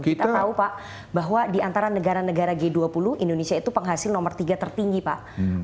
kita tahu pak bahwa di antara negara negara g dua puluh indonesia itu penghasil nomor tiga tertinggi pak